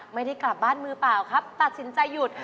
ไม่ได้กลับบ้านมือเปล่าครับตัดสินใจหยุด